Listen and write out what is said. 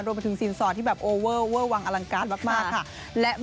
รวมถึงสินสอดที่แบบโอเว่อ